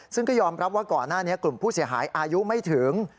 ซึ่งก็ยอมรับว่าก่อนหน้านี้กลุ่มผู้เสียหายอายุไม่ถึง